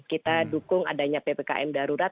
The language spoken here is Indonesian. kita dukung adanya ppkm darurat